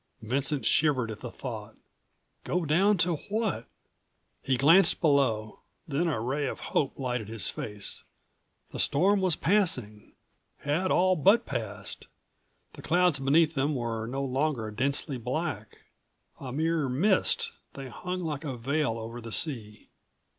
Vincent shivered at the thought. Go down to what? He glanced below, then a ray of hope lighted his face. The storm was passing—had all but200 passed. The clouds beneath them were no longer densely black. A mere mist, they hung like a veil over the sea.